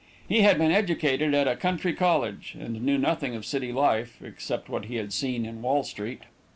He had been educated at a country college, and knew nothing of city life, except what he had seen in Wall street.